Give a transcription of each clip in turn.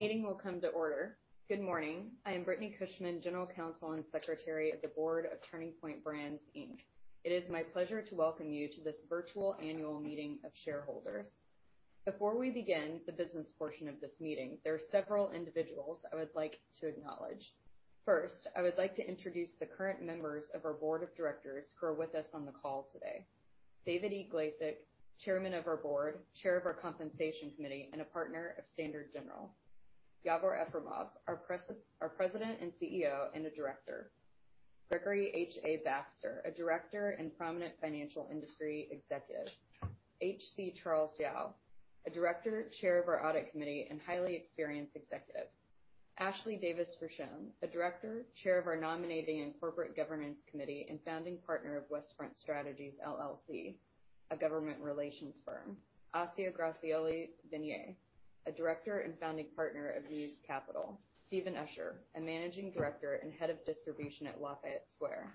Meeting will come to order. Good morning. I am Brittani Cushman, General Counsel and Secretary of the Board of Turning Point Brands, Inc. It is my pleasure to welcome you to this virtual annual meeting of shareholders. Before we begin the business portion of this meeting, there are several individuals I would like to acknowledge. First, I would like to introduce the current members of our board of directors who are with us on the call today. David E. Glazek, Chairman of our Board, Chair of our Compensation Committee, and a Partner of Standard General. Yavor Efremov, our President and CEO, and a Director. Gregory H.A. Baxter, a Director and prominent financial industry executive. H.C. Charles Diao, a Director, Chair of our Audit Committee, and highly experienced executive. Ashley Davis Frushone, a Director, Chair of our Nominating and Corporate Governance Committee, and Founding Partner of West Front Strategies LLC, a government relations firm. Assia Grazioli-Venier, a Director and Founding Partner of Muse Capital. Stephen Usher, a Managing Director and Head of Distribution at Lafayette Square.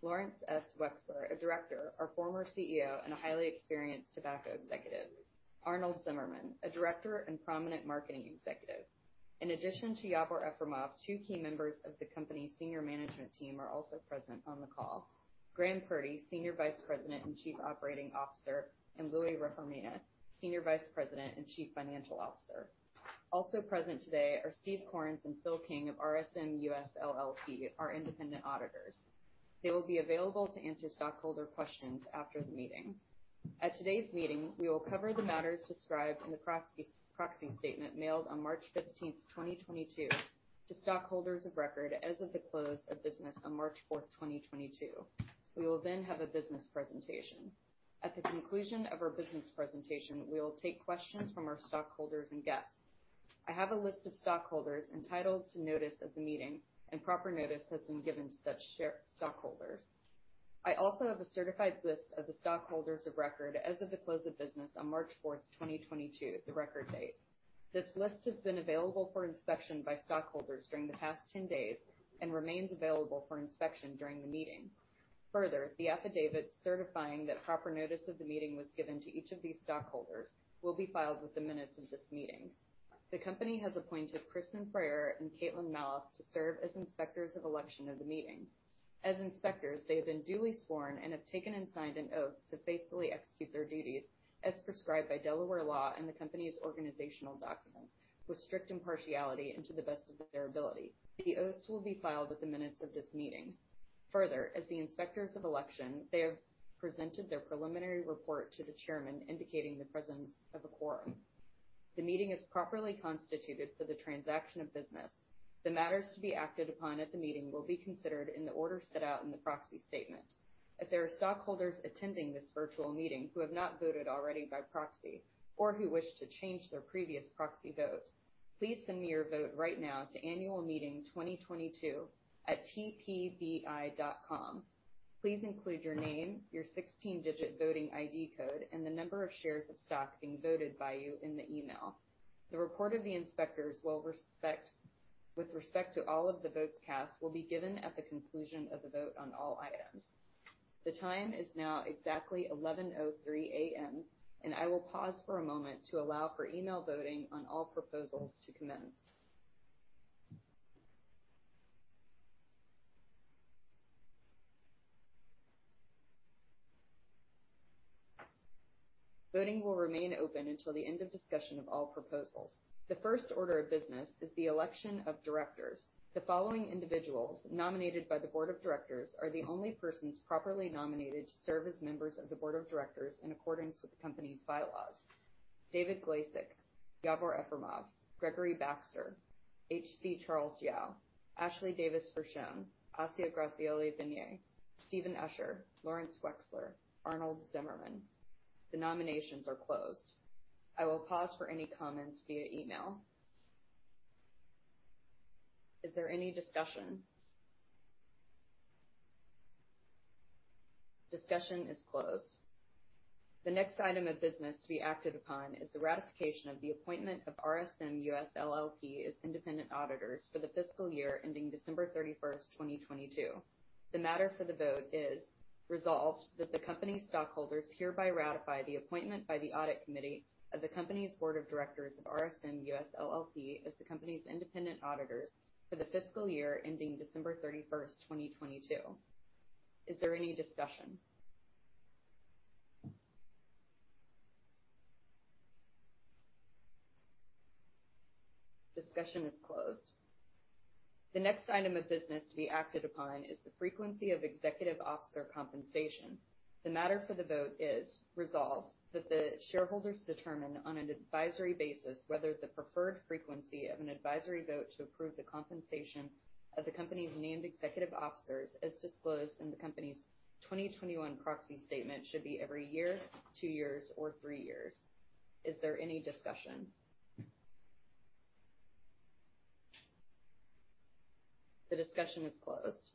Lawrence S. Wexler, a Director, our former CEO, and a highly experienced tobacco executive. Arnold Zimmerman, a Director and prominent marketing executive. In addition to Yavor Efremov, two key members of the company's senior management team are also present on the call. Graham Purdy, Senior Vice President and Chief Operating Officer, and Louie Reformina, Senior Vice President and Chief Financial Officer. Also present today are Steve Corns and Phil King of RSM US LLP, our independent auditors. They will be available to answer stockholder questions after the meeting. At today's meeting, we will cover the matters described in the proxy statement mailed on March 15th, 2022 to stockholders of record as of the close of business on March 4th, 2022. We will then have a business presentation. At the conclusion of our business presentation, we will take questions from our stockholders and guests. I have a list of stockholders entitled to notice of the meeting, and proper notice has been given to such stockholders. I also have a certified list of the stockholders of record as of the close of business on March 4th, 2022, the record date. This list has been available for inspection by stockholders during the past 10 days and remains available for inspection during the meeting. Further, the affidavit certifying that proper notice of the meeting was given to each of these stockholders will be filed with the minutes of this meeting. The company has appointed [Kristen Frayer] and [Caitlin Malouf] to serve as Inspectors of Election of the meeting. As inspectors, they have been duly sworn and have taken and signed an oath to faithfully execute their duties as prescribed by Delaware law and the company's organizational documents with strict impartiality and to the best of their ability. The oaths will be filed with the minutes of this meeting. Further, as the Inspectors of Election, they have presented their preliminary report to the chairman indicating the presence of a quorum. The meeting is properly constituted for the transaction of business. The matters to be acted upon at the meeting will be considered in the order set out in the proxy statement. If there are stockholders attending this virtual meeting who have not voted already by proxy or who wish to change their previous proxy vote, please send me your vote right now to annualmeeting2022@tpbi.com. Please include your name, your 16-digit voting ID code, and the number of shares of stock being voted by you in the email. The report of the inspectors will, with respect to all of the votes cast, be given at the conclusion of the vote on all items. The time is now exactly 11:03 A.M., and I will pause for a moment to allow for email voting on all proposals to commence. Voting will remain open until the end of discussion of all proposals. The first order of business is the election of directors. The following individuals nominated by the board of directors are the only persons properly nominated to serve as members of the board of directors in accordance with the company's bylaws. David E. Glazek, Yavor Efremov, Gregory Baxter, H.C. Charles Diao, Ashley Davis Frushone, Assia Grazioli-Venier, Stephen Usher, Lawrence Wexler, Arnold Zimmerman. The nominations are closed. I will pause for any comments via email. Is there any discussion? Discussion is closed. The next item of business to be acted upon is the ratification of the appointment of RSM US LLP as independent auditors for the fiscal year ending December 31st, 2022. The matter for the vote is resolved that the company stockholders hereby ratify the appointment by the audit committee of the company's board of directors of RSM US LLP as the company's independent auditors for the fiscal year ending December 31st, 2022. Is there any discussion? Discussion is closed. The next item of business to be acted upon is the frequency of executive officer compensation. The matter for the vote is resolved that the shareholders determine on an advisory basis whether the preferred frequency of an advisory vote to approve the compensation of the company's named executive officers, as disclosed in the company's 2021 proxy statement, should be every year, two years, or three years. Is there any discussion? The discussion is closed.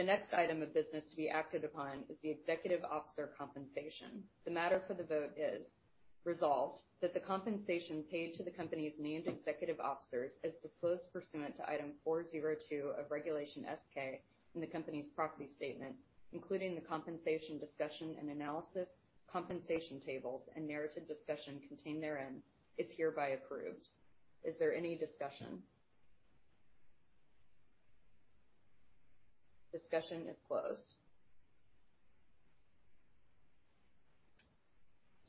The next item of business to be acted upon is the executive officer compensation. The matter for the vote is resolved that the compensation paid to the company's named executive officers, as disclosed pursuant to Item 402 of Regulation S-K in the company's proxy statement, including the compensation discussion and analysis, compensation tables, and narrative discussion contained therein, is hereby approved. Is there any discussion? Discussion is closed.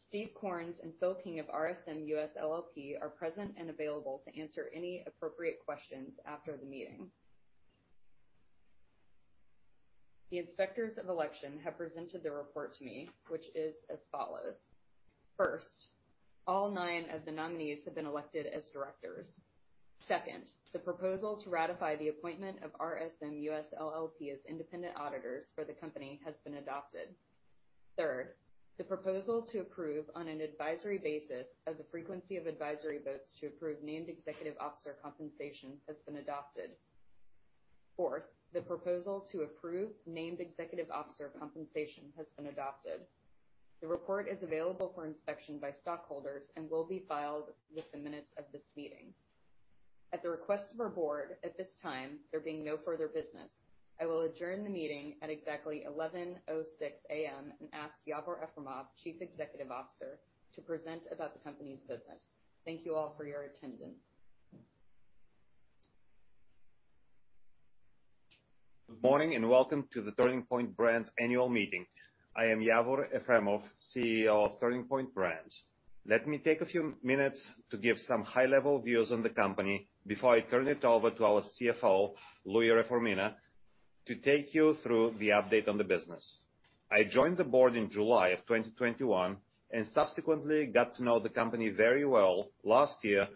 Steve Corns and Phil King of RSM US LLP are present and available to answer any appropriate questions after the meeting. The Inspectors of Election have presented their report to me, which is as follows. First, all nine of the nominees have been elected as directors. Second, the proposal to ratify the appointment of RSM US LLP as independent auditors for the company has been adopted. Third, the proposal to approve on an advisory basis of the frequency of advisory votes to approve named executive officer compensation has been adopted. Fourth, the proposal to approve named executive officer compensation has been adopted. The report is available for inspection by stockholders and will be filed with the minutes of this meeting. At the request of our board, at this time, there being no further business, I will adjourn the meeting at exactly 11:06 A.M. and ask Yavor Efremov, Chief Executive Officer, to present about the company's business. Thank you all for your attendance. Good morning, and welcome to the Turning Point Brands annual meeting. I am Yavor Efremov, CEO of Turning Point Brands. Let me take a few minutes to give some high-level views on the company before I turn it over to our CFO, Louie Reformina, to take you through the update on the business. I joined the board in July of 2021, and subsequently got to know the company very well last year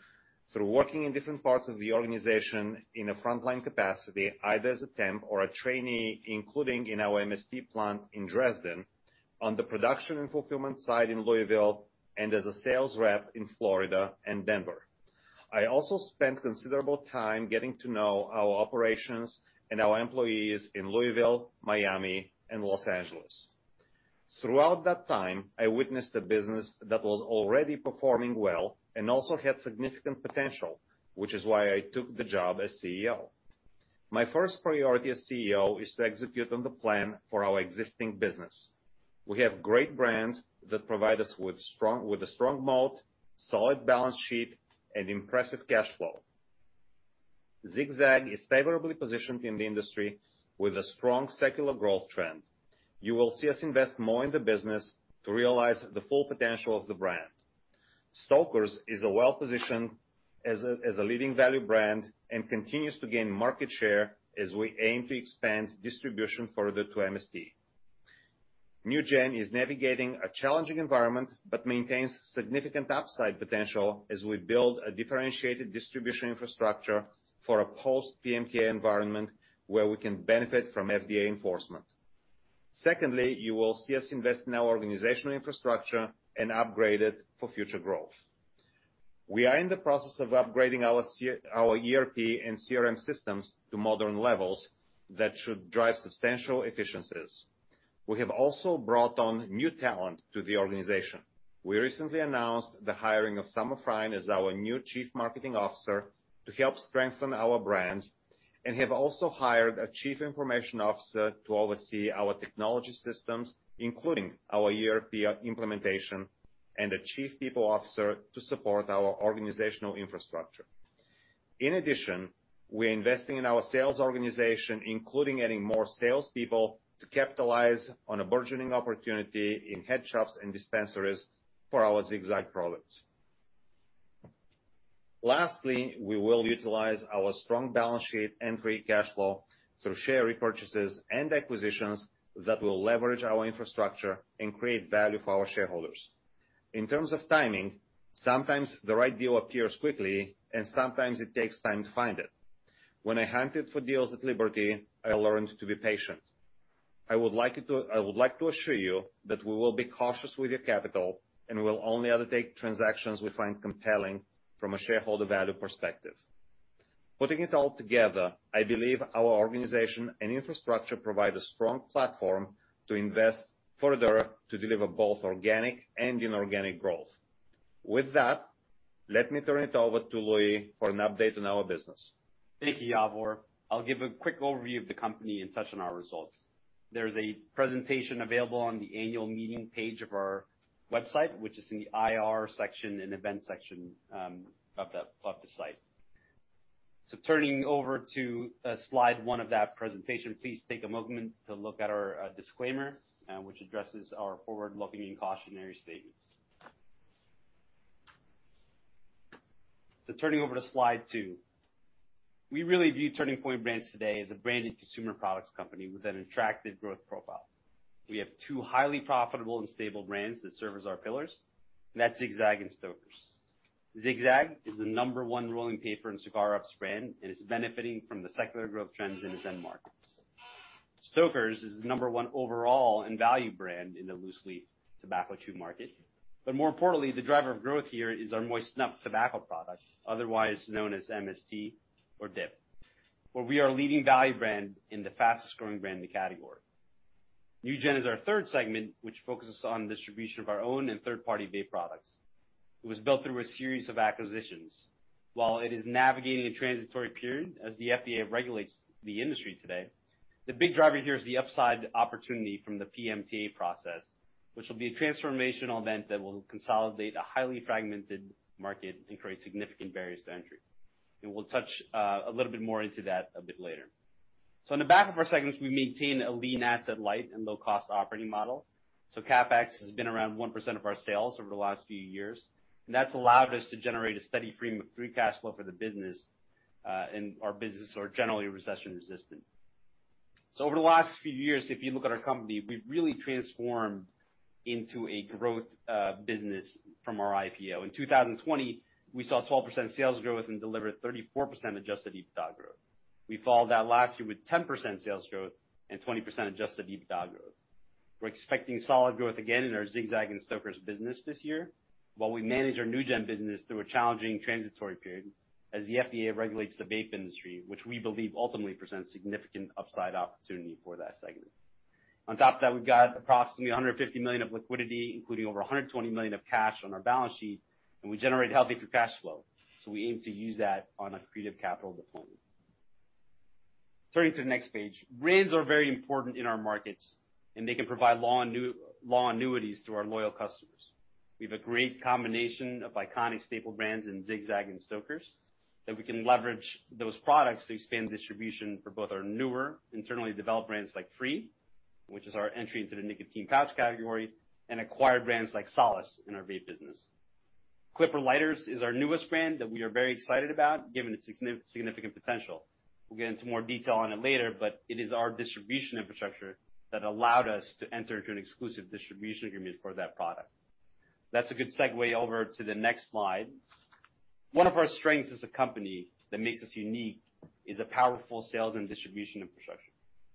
through working in different parts of the organization in a frontline capacity, either as a temp or a trainee, including in our MST plant in Dresden, on the production and fulfillment side in Louisville, and as a sales rep in Florida and Denver. I also spent considerable time getting to know our operations and our employees in Louisville, Miami and Los Angeles. Throughout that time, I witnessed a business that was already performing well and also had significant potential, which is why I took the job as CEO. My first priority as CEO is to execute on the plan for our existing business. We have great brands that provide us with a strong moat, solid balance sheet and impressive cash flow. Zig-Zag is favorably positioned in the industry with a strong secular growth trend. You will see us invest more in the business to realize the full potential of the brand. Stoker's is well-positioned as a leading value brand and continues to gain market share as we aim to expand distribution further to MST. NewGen is navigating a challenging environment, but maintains significant upside potential as we build a differentiated distribution infrastructure for a post PMTA environment where we can benefit from FDA enforcement. Secondly, you will see us invest in our organizational infrastructure and upgrade it for future growth. We are in the process of upgrading our ERP and CRM systems to modern levels that should drive substantial efficiencies. We have also brought on new talent to the organization. We recently announced the hiring of Summer Frein as our new Chief Marketing Officer to help strengthen our brands, and have also hired a Chief Information Officer to oversee our technology systems, including our ERP implementation and a Chief People Officer to support our organizational infrastructure. In addition, we're investing in our sales organization, including adding more salespeople to capitalize on a burgeoning opportunity in head shops and dispensaries for our Zig-Zag products. Lastly, we will utilize our strong balance sheet and create cash flow through share repurchases and acquisitions that will leverage our infrastructure and create value for our shareholders. In terms of timing, sometimes the right deal appears quickly, and sometimes it takes time to find it. When I hunted for deals at Liberty, I learned to be patient. I would like to assure you that we will be cautious with your capital, and we will only undertake transactions we find compelling from a shareholder value perspective. Putting it all together, I believe our organization and infrastructure provide a strong platform to invest further to deliver both organic and inorganic growth. With that, let me turn it over to Louie for an update on our business. Thank you, Yavor. I'll give a quick overview of the company and touch on our results. There's a presentation available on the annual meeting page of our website, which is in the IR section and events section of the site. Turning over to slide one of that presentation, please take a moment to look at our disclaimer, which addresses our forward-looking and cautionary statements. Turning over to slide two. We really view Turning Point Brands today as a branded consumer products company with an attractive growth profile. We have two highly profitable and stable brands that serve as our pillars, and that's Zig-Zag and Stoker's. Zig-Zag is the number one rolling paper and cigar wraps brand and is benefiting from the secular growth trends in its end markets. Stoker's is the number one overall and value brand in the loose-leaf tobacco chew market. More importantly, the driver of growth here is our moist snuff tobacco product, otherwise known as MST or dip, where we are a leading value brand and the fastest growing brand in the category. NewGen is our third segment, which focuses on distribution of our own and third-party vape products. It was built through a series of acquisitions. While it is navigating a transitory period as the FDA regulates the industry today, the big driver here is the upside opportunity from the PMTA process, which will be a transformational event that will consolidate a highly fragmented market and create significant barriers to entry. We'll touch a little bit more into that a bit later. In the back of our segments, we maintain a lean asset light and low-cost operating model. CapEx has been around 1% of our sales over the last few years, and that's allowed us to generate a steady stream of free cash flow for the business, and our business are generally recession-resistant. Over the last few years, if you look at our company, we've really transformed into a growth business from our IPO. In 2020, we saw 12% sales growth and delivered 34% adjusted EBITDA growth. We followed that last year with 10% sales growth and 20% adjusted EBITDA growth. We're expecting solid growth again in our Zig-Zag and Stoker's business this year, while we manage our NewGen business through a challenging transitory period as the FDA regulates the vape industry, which we believe ultimately presents significant upside opportunity for that segment. On top of that, we've got approximately $150 million of liquidity, including over $120 million of cash on our balance sheet, and we generate healthy free cash flow, so we aim to use that on accretive capital deployment. Turning to the next page. Brands are very important in our markets and they can provide longevities to our loyal customers. We have a great combination of iconic staple brands in Zig-Zag and Stoker's that we can leverage those products to expand distribution for both our newer internally developed brands like FRĒ, which is our entry into the nicotine pouch category, and acquired brands like Solace in our vape business. CLIPPER lighters is our newest brand that we are very excited about given its significant potential. We'll get into more detail on it later, but it is our distribution infrastructure that allowed us to enter into an exclusive distribution agreement for that product. That's a good segue over to the next slide. One of our strengths as a company that makes us unique is a powerful sales and distribution infrastructure.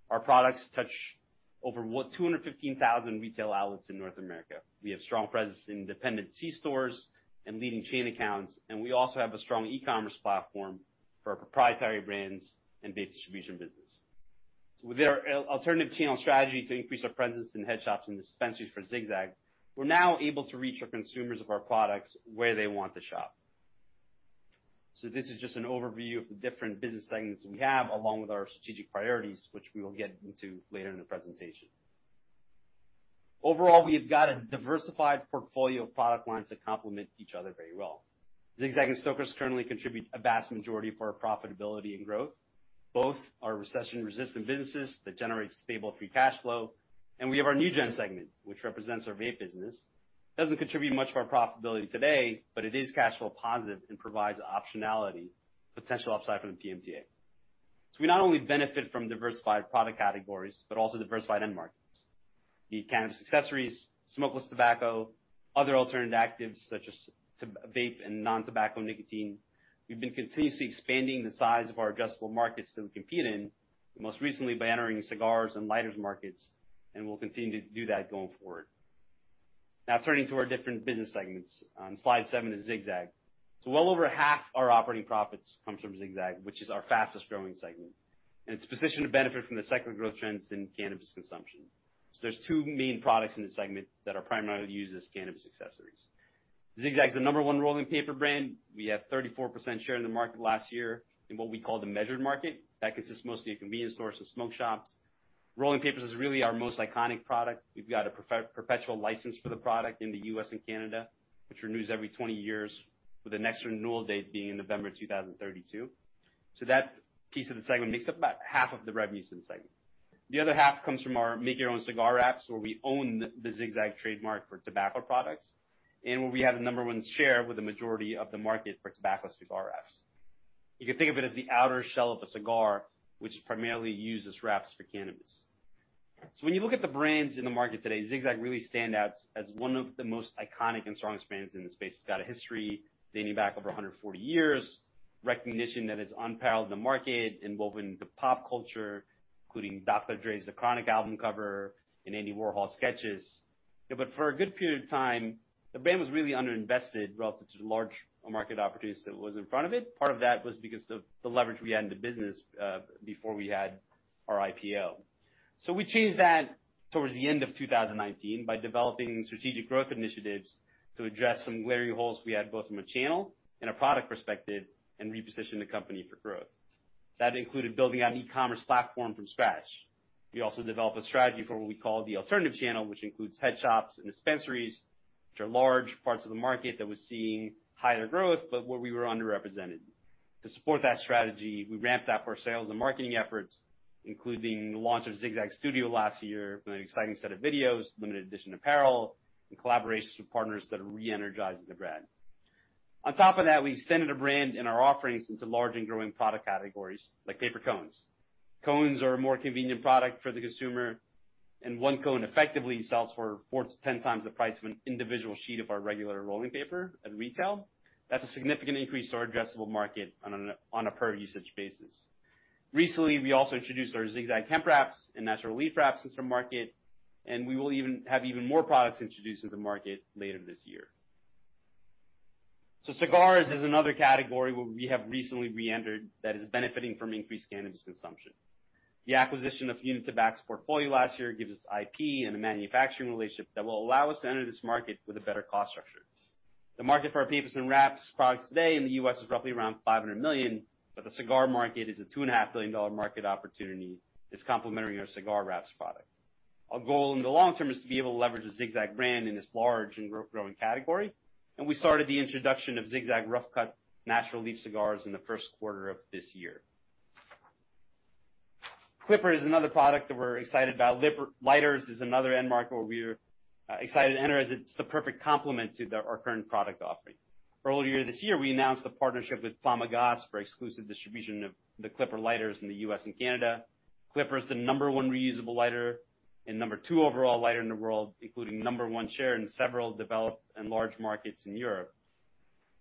Our products touch over what? 215,000 retail outlets in North America. We have strong presence in independent c-stores and leading chain accounts, and we also have a strong e-commerce platform for our proprietary brands and vape distribution business. With our alternative channel strategy to increase our presence in head shops and dispensaries for Zig-Zag, we're now able to reach our consumers of our products where they want to shop. This is just an overview of the different business segments we have, along with our strategic priorities, which we will get into later in the presentation. Overall, we have got a diversified portfolio of product lines that complement each other very well. Zig-Zag and Stoker's currently contribute a vast majority of our profitability and growth. Both are recession-resistant businesses that generate stable free cash flow. We have our NewGen segment, which represents our vape business. Doesn't contribute much of our profitability today, but it is cash flow positive and provides optionality, potential upside from the PMTA. We not only benefit from diversified product categories, but also diversified end markets. The cannabis accessories, smokeless tobacco, other alternative actives such as vape and non-tobacco nicotine. We've been continuously expanding the size of our addressable markets that we compete in, most recently by entering cigars and lighters markets, and we'll continue to do that going forward. Now, turning to our different business segments. On slide seven is Zig-Zag. Well over half our operating profits comes from Zig-Zag, which is our fastest growing segment. It's positioned to benefit from the secular growth trends in cannabis consumption. There's two main products in this segment that are primarily used as cannabis accessories. Zig-Zag is the number one rolling paper brand. We have 34% share in the market last year in what we call the measured market. That consists mostly of convenience stores and smoke shops. Rolling papers is really our most iconic product. We've got a perpetual license for the product in the U.S. and Canada, which renews every 20 years with the next renewal date being November 2032. That piece of the segment makes up about half of the revenues in the segment. The other half comes from our Make-Your-Own Cigar Wraps, where we own the Zig-Zag trademark for tobacco products, where we have the number one share with the majority of the market for tobacco cigar wraps. You can think of it as the outer shell of a cigar, which is primarily used as wraps for cannabis. When you look at the brands in the market today, Zig-Zag really stands out as one of the most iconic and strongest brands in this space. It's got a history dating back over 140 years, recognition that is unparalleled in the market, involved in the pop culture, including Dr. Dre's The Chronic album cover and Andy Warhol sketches. Yeah, for a good period of time, the brand was really underinvested relative to the large market opportunities that was in front of it. Part of that was because the leverage we had in the business before we had our IPO. We changed that towards the end of 2019 by developing strategic growth initiatives to address some glaring holes we had both from a channel and a product perspective, and reposition the company for growth. That included building out an e-commerce platform from scratch. We developed a strategy for what we call the alternative channel, which includes head shops and dispensaries, which are large parts of the market that was seeing higher growth but where we were underrepresented. To support that strategy, we ramped up our sales and marketing efforts, including the launch of Zig-Zag Studio last year with an exciting set of videos, limited edition apparel, and collaborations with partners that are re-energizing the brand. On top of that, we extended a brand in our offerings into large and growing product categories like paper cones. Cones are a more convenient product for the consumer, and one cone effectively sells for four to 10 times the price of an individual sheet of our regular rolling paper at retail. That's a significant increase to our addressable market on a per usage basis. Recently, we also introduced our Zig-Zag hemp wraps and natural leaf wraps into market, and we will have even more products introduced to the market later this year. Cigars is another category where we have recently reentered that is benefiting from increased cannabis consumption. The acquisition of Unitabac's portfolio last year gives us IP and a manufacturing relationship that will allow us to enter this market with a better cost structure. The market for our papers and wraps products today in the U.S. is roughly around $500 million, but the cigar market is a $2.5 billion market opportunity. It's complementing our cigar wraps product. Our goal in the long term is to be able to leverage the Zig-Zag brand in this large and growing category, and we started the introduction of Zig-Zag Rough Cut natural leaf cigars in the first quarter of this year. CLIPPER is another product that we're excited about. Lighters is another end market where we're excited to enter as it's the perfect complement to our current product offering. Earlier this year, we announced a partnership with Flamagas for exclusive distribution of the CLIPPER lighters in the U.S. and Canada. CLIPPER is the number one reusable lighter and number two overall lighter in the world, including number one share in several developed and large markets in Europe.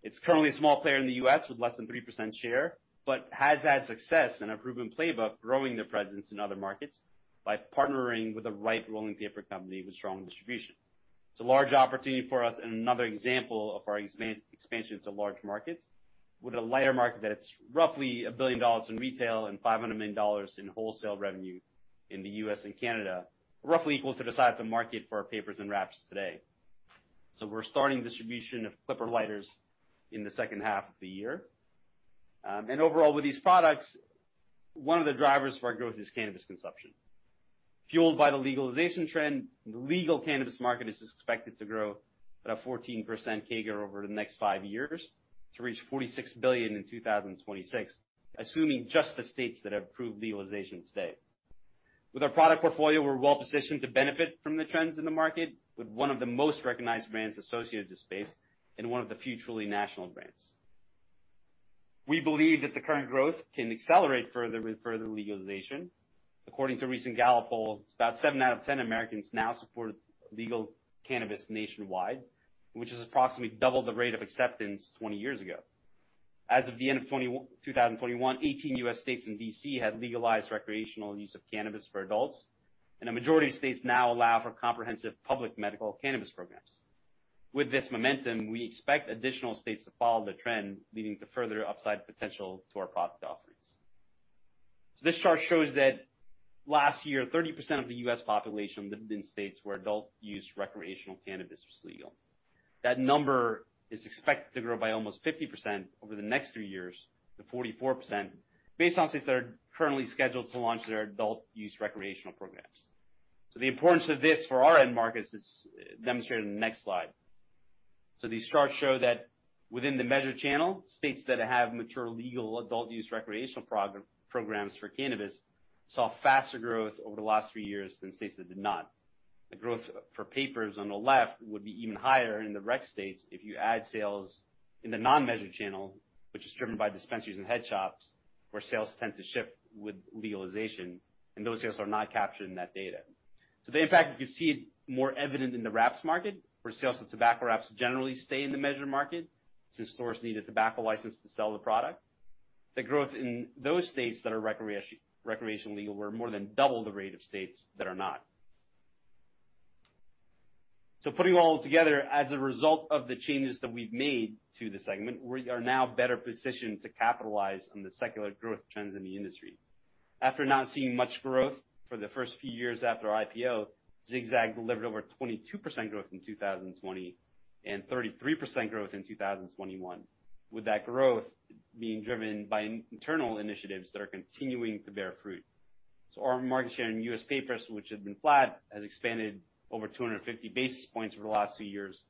It's currently a small player in the U.S. with less than 3% share, but has had success in a proven playbook, growing their presence in other markets by partnering with the right rolling paper company with strong distribution. It's a large opportunity for us and another example of our expansion to large markets with a lighter market that's roughly $1 billion in retail and $500 million in wholesale revenue in the U.S. and Canada, roughly equal to the size of the market for our papers and wraps today. We're starting distribution of CLIPPER lighters in the second half of the year. Overall, with these products, one of the drivers for our growth is cannabis consumption. Fueled by the legalization trend, the legal cannabis market is expected to grow at a 14% CAGR over the next five years to reach $46 billion in 2026, assuming just the states that have approved legalization today. With our product portfolio, we're well-positioned to benefit from the trends in the market with one of the most recognized brands associated with the space and one of the few truly national brands. We believe that the current growth can accelerate further with further legalization. According to a recent Gallup poll, about seven out of 10 Americans now support legal cannabis nationwide, which is approximately double the rate of acceptance 20 years ago. As of the end of 2021, 18 U.S. states and D.C. have legalized recreational use of cannabis for adults, and a majority of states now allow for comprehensive public medical cannabis programs. With this momentum, we expect additional states to follow the trend, leading to further upside potential to our product offerings. This chart shows that last year, 30% of the U.S. population lived in states where adult use recreational cannabis was legal. That number is expected to grow by almost 50% over the next three years to 44% based on states that are currently scheduled to launch their adult use recreational programs. The importance of this for our end markets is demonstrated in the next slide. These charts show that within the measured channel, states that have mature legal adult use recreational programs for cannabis saw faster growth over the last three years than states that did not. The growth for papers on the left would be even higher in the rec states if you add sales in the non-measured channel, which is driven by dispensaries and head shops, where sales tend to shift with legalization, and those sales are not captured in that data. The impact, you can see it more evident in the wraps market, where sales of tobacco wraps generally stay in the measured market since stores need a tobacco license to sell the product. The growth in those states that are recreation legal were more than double the rate of states that are not. Putting it all together, as a result of the changes that we've made to the segment, we are now better positioned to capitalize on the secular growth trends in the industry. After not seeing much growth for the first few years after our IPO, Zig-Zag delivered over 22% growth in 2020 and 33% growth in 2021, with that growth being driven by internal initiatives that are continuing to bear fruit. Our market share in U.S. papers, which had been flat, has expanded over 250 basis points over the last two years.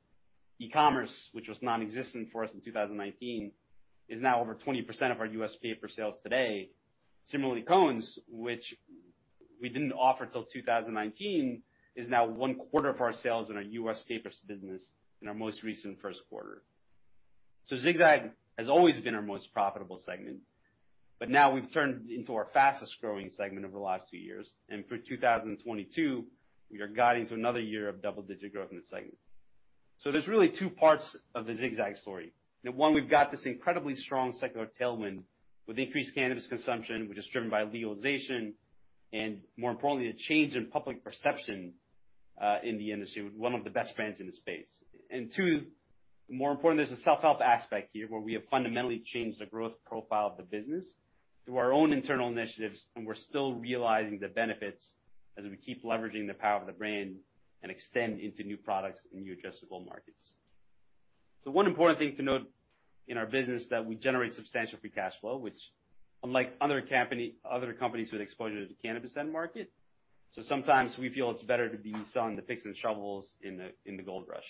e-commerce, which was nonexistent for us in 2019, is now over 20% of our U.S. paper sales today. Similarly, cones, which we didn't offer till 2019, is now one quarter of our sales in our U.S. papers business in our most recent first quarter. Zig-Zag has always been our most profitable segment, but now we've turned it into our fastest-growing segment over the last few years. For 2022, we are guiding to another year of double-digit growth in the segment. There's really two parts of the Zig-Zag story. The one, we've got this incredibly strong secular tailwind with increased cannabis consumption, which is driven by legalization, and more importantly, a change in public perception in the industry with one of the best brands in the space. Two, more important, there's a self-help aspect here, where we have fundamentally changed the growth profile of the business through our own internal initiatives, and we're still realizing the benefits as we keep leveraging the power of the brand and extend into new products and new addressable markets. One important thing to note in our business that we generate substantial free cash flow, which unlike other company, other companies with exposure to the cannabis end market. Sometimes we feel it's better to be selling the picks and shovels in the gold rush.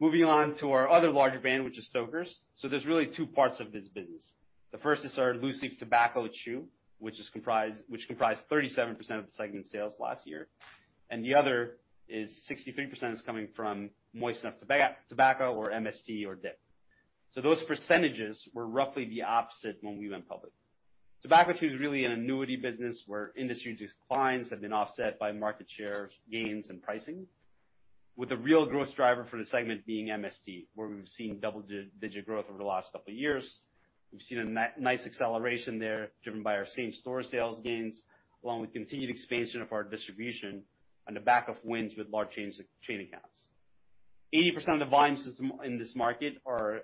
Moving on to our other larger brand, which is Stoker's. There's really two parts of this business. The first is our loose leaf tobacco chew, which comprised 37% of the segment sales last year. The other is 63% coming from moist snuff tobacco or MST or dip. Those percentages were roughly the opposite when we went public. Tobacco chew is really an annuity business where industry reduced declines have been offset by market share gains and pricing. With the real growth driver for the segment being MST, where we've seen double-digit growth over the last couple of years. We've seen a nice acceleration there driven by our same-store sales gains, along with continued expansion of our distribution on the back of wins with large chain accounts. 80% of the volumes in this market are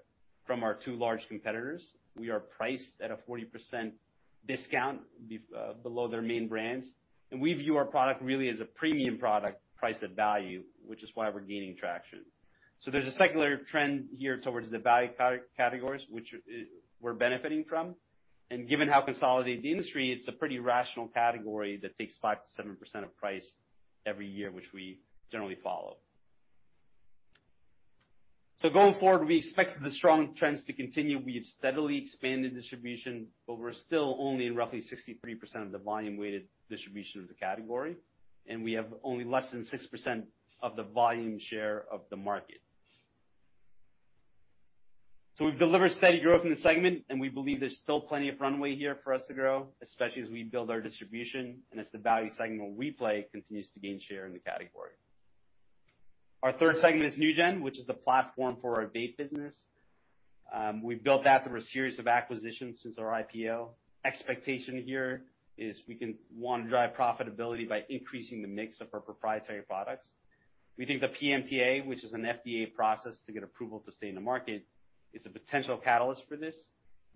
from our two large competitors, we are priced at a 40% discount below their main brands. We view our product really as a premium product priced at value, which is why we're gaining traction. There's a secular trend here towards the value categories, which we're benefiting from. Given how consolidated the industry, it's a pretty rational category that takes 5%-7% of price every year, which we generally follow. Going forward, we expect the strong trends to continue. We have steadily expanded distribution, but we're still only in roughly 63% of the volume-weighted distribution of the category, and we have only less than 6% of the volume share of the market. We've delivered steady growth in the segment, and we believe there's still plenty of runway here for us to grow, especially as we build our distribution and as the value segment where we play continues to gain share in the category. Our third segment is NewGen, which is the platform for our vape business. We've built that through a series of acquisitions since our IPO. Expectation here is we want to drive profitability by increasing the mix of our proprietary products. We think the PMTA, which is an FDA process to get approval to stay in the market, is a potential catalyst for this.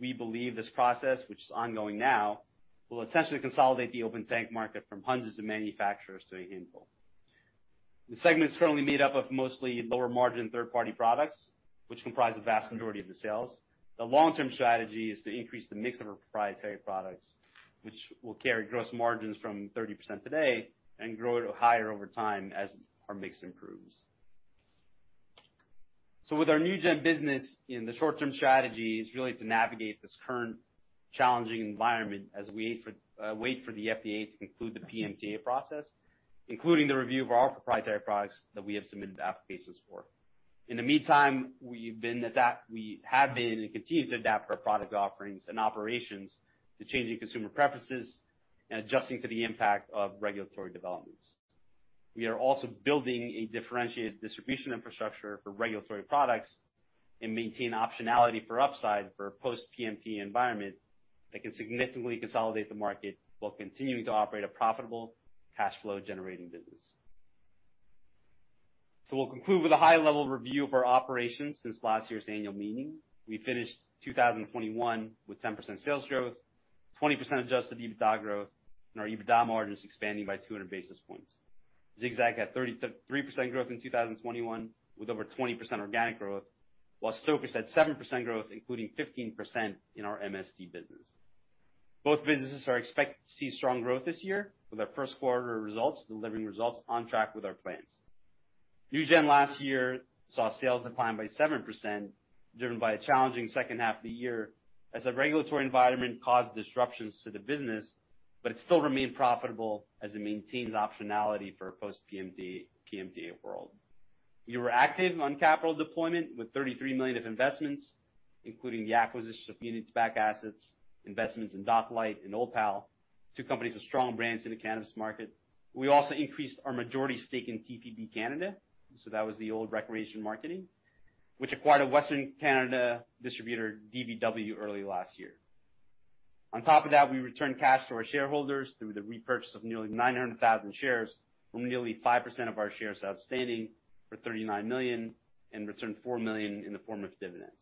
We believe this process, which is ongoing now, will essentially consolidate the open tank market from hundreds of manufacturers to a handful. The segment is currently made up of mostly lower-margin third-party products, which comprise the vast majority of the sales. The long-term strategy is to increase the mix of our proprietary products, which will carry gross margins from 30% today and grow it higher over time as our mix improves. With our NewGen business, you know, the short-term strategy is really to navigate this current challenging environment as we wait for the FDA to conclude the PMTA process, including the review of our proprietary products that we have submitted applications for. In the meantime, we have been and continue to adapt our product offerings and operations to changing consumer preferences and adjusting to the impact of regulatory developments. We are also building a differentiated distribution infrastructure for regulatory products and maintain optionality for upside for a post-PMTA environment that can significantly consolidate the market while continuing to operate a profitable cash flow-generating business. We'll conclude with a high-level review of our operations since last year's annual meeting. We finished 2021 with 10% sales growth, 20% adjusted EBITDA growth, and our EBITDA margin is expanding by 200 basis points. Zig-Zag had 33% growth in 2021, with over 20% organic growth, while Stoker's had 7% growth, including 15% in our MST business. Both businesses are expected to see strong growth this year, with our first quarter results delivering results on track with our plans. NewGen last year saw sales decline by 7%, driven by a challenging second half of the year as the regulatory environment caused disruptions to the business, but it still remained profitable as it maintains optionality for a post-PMTA, PMTA world. We were active on capital deployment with $33 million of investments, including the acquisition of Unitabac assets, investments in Docklight and Old Pal, two companies with strong brands in the cannabis market. We also increased our majority stake in TPB Canada, so that was the old ReCreation Marketing, which acquired a Western Canada distributor, DBW, early last year. On top of that, we returned cash to our shareholders through the repurchase of nearly 900,000 shares, from nearly 5% of our shares outstanding for $39 million and returned $4 million in the form of dividends.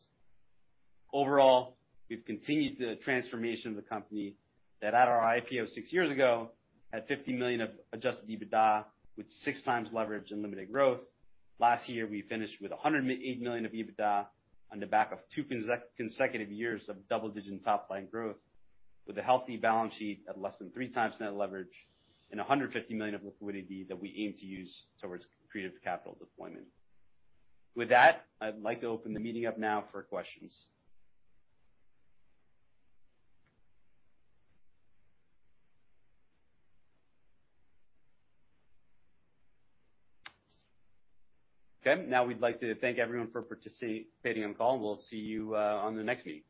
Overall, we've continued the transformation of the company that at our IPO six years ago, had $50 million of adjusted EBITDA with 6x leverage and limited growth. Last year, we finished with $108 million of EBITDA on the back of two consecutive years of double-digit top-line growth with a healthy balance sheet at less than 3x net leverage and $150 million of liquidity that we aim to use towards creative capital deployment. With that, I'd like to open the meeting up now for questions. Okay. Now we'd like to thank everyone for participating on the call. We'll see you on the next meeting.